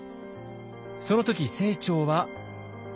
その時清張は。